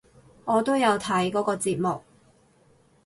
我都有睇嗰個節目！